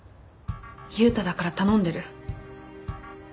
悠太だから頼んでる。